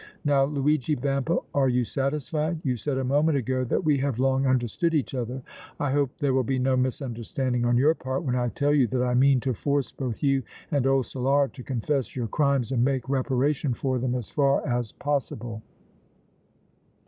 Now, Luigi Vampa, are you satisfied? You said a moment ago that we have long understood each other. I hope there will be no misunderstanding on your part when I tell you that I mean to force both you and old Solara to confess your crimes and make reparation for them as far as possible!"